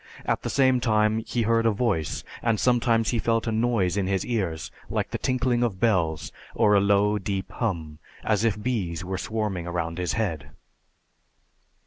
At the same time he heard a Voice, and sometimes he felt a noise in his ears like the tinkling of bells or a low deep hum, as if bees were swarming round his head.